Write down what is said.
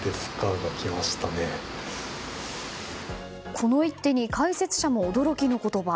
この一手に解説者も驚きの言葉。